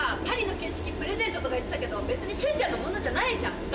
パリの景色プレゼントとか言ってたけど別に周ちゃんのものじゃないじゃん。